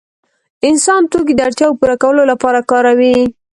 انسان توکي د اړتیاوو پوره کولو لپاره کاروي.